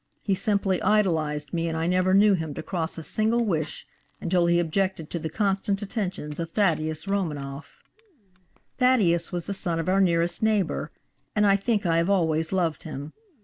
He simply idolized me and I never knew him to cross a single wish until he objected to the constant attentions of Thaddeus Romanoff. "Thaddeus was the son of our nearest neighbor, and I think I have always loved him.